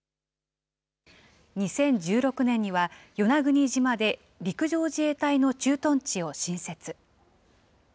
２０１６年には、与那国島で陸上自衛隊の駐屯地を新設。